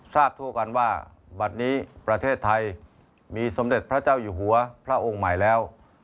ทราบทั่วกันว่าบัตรนี้ประเทศไทยมีสมเด็จพระเจ้าอยู่หัวพระองค์ใหม่แล้ว